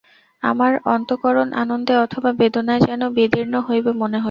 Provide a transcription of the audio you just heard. আমার অন্তঃকরণ আনন্দে অথবা বেদনায় যেন বিদীর্ণ হইবে মনে হইল।